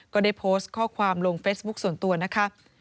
ก็ได้โพสต์ข้อความลงเฟซบุ๊คส่วนตัวนะคะ